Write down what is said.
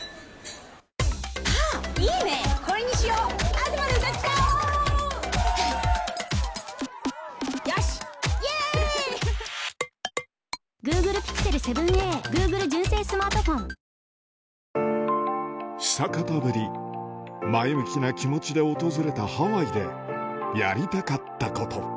今後はどうですか、久方ぶり、前向きな気持ちで訪れたハワイでやりたかったこと。